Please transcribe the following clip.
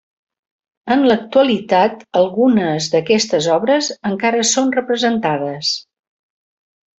En l'actualitat, algunes d'aquestes obres encara són representades.